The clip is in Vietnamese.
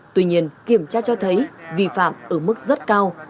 tuy nhiên kiểm tra cho thấy vi phạm ở mức rất cao